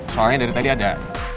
soalnya dari tadi ada